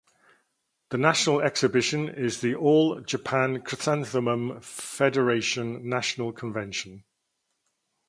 The national exhibition is the All Japan Chrysanthemum Federation National Convention.